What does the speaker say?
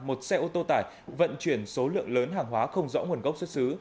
một xe ô tô tải vận chuyển số lượng lớn hàng hóa không rõ nguồn gốc xuất xứ